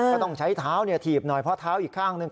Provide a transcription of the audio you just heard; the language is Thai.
ก็ต้องใช้เท้าถีบหน่อยเพราะเท้าอีกข้างหนึ่ง